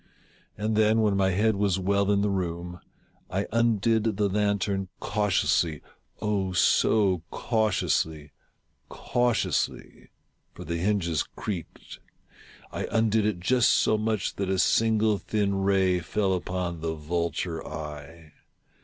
And then, when my head was well in the room, I undid the lantern cautiously — oh, so cautiously — cau tiously (for the hinges creaked) — I undid it just so much that a single thin ray fell upon the vulture eye.